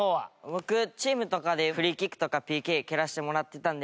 僕チームとかでフリーキックとかＰＫ蹴らしてもらってたんで。